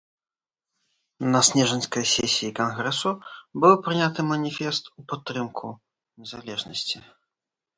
На снежаньскай сесіі кангрэсу быў прыняты маніфест ў падтрымку незалежнасці.